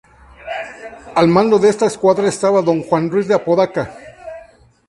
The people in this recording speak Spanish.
Al mando de esta escuadra estaba Don Juan Ruiz de Apodaca.